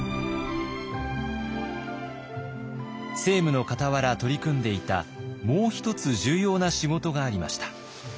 政務のかたわら取り組んでいたもう一つ重要な仕事がありました。